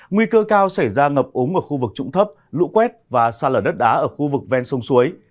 nguy cơ cao xảy ra ngập úng ở khu vực trụng thấp lũ quét và xa lở đất đá ở khu vực ven sông suối